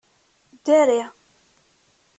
Dari.